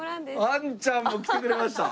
アンちゃんも来てくれました。